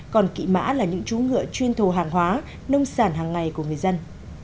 còn kỵ mã là những chú ngựa chuyên thù hàng hóa nông sản hàng ngày của người dân